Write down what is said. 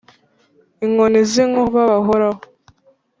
Inkoni z' inkuba bahoraho.